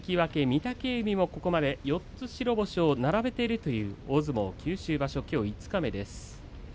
関脇御嶽海も４つ白星を並べているという大相撲九州場所五日目です。